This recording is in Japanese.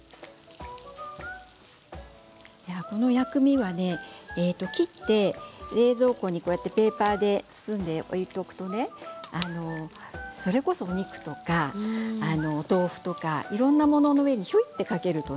この薬味はね切って冷蔵庫にペーパーで包んで置いておくとそれこそ、お肉とかお豆腐とか、いろんなものの上にちょっとかけると